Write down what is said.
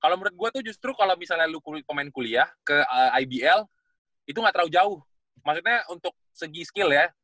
kalau menurut gue tuh justru kalau misalnya lu kulit pemain kuliah ke ibl itu gak terlalu jauh maksudnya untuk segi skill ya